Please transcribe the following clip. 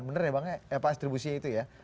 bener ya bang apa distribusinya itu ya